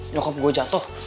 nyokap gue jatuh